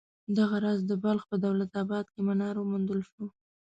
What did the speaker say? دغه راز د بلخ په دولت اباد کې منار وموندل شو.